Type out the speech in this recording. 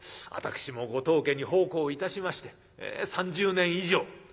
「私もご当家に奉公いたしまして３０年以上。